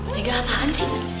tega apaan sih